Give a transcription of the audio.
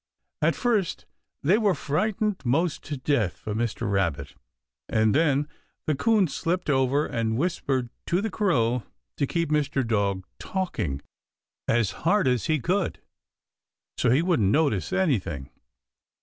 At first they were frightened most to death for Mr. Rabbit, and then the 'Coon slipped over and whispered to the Crow to keep Mr. Dog talking as hard as he could, so he wouldn't notice anything.